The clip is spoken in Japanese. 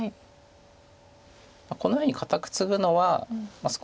こんなふうに固くツグのは少し。